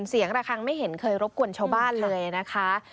เสียงระคังไม่เห็นเคยรบกวนชาวบ้านเลยนะคะ